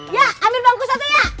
ya ambil bangku satu ya